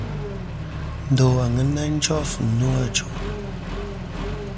Ndo àŋena jof nô ajuŋ.